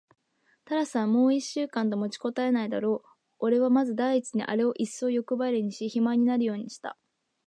タラスはもう一週間と持ちこたえないだろう。おれはまず第一にあれをいっそうよくばりにし、肥満になるようにした。